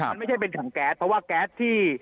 มันไม่ใช่เป็นถังแก๊สเพราะว่าแก๊สที่